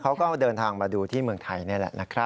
เขาก็เดินทางมาดูที่เมืองไทยนี่แหละนะครับ